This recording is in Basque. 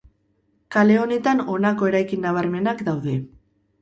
Kale honetan honako eraikin nabarmenak daude.